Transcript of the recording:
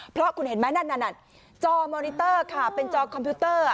เพราะคุณเห็นไหมนั่นจอมอนิเตอร์ค่ะเป็นจอคอมพิวเตอร์